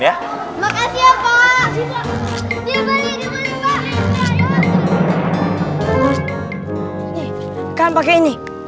nih kalian pakai ini